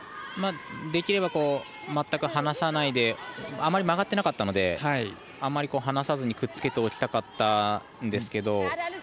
できれば、全く離さないであまり曲がってなかったのであまり離さずに、くっつけておきたかったんですけど。